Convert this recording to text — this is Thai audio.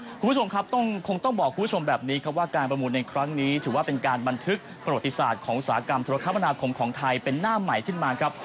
คุณผู้ชมครับต้องคงต้องบอกคุณผู้ชมแบบนี้ครับว่าการประมูลในครั้งนี้ถือว่าเป็นการบันทึกประวัติศาสตร์ของอุตสาหกรรมธุรกรรมนาคมของไทยเป็นหน้าใหม่ขึ้นมาครับ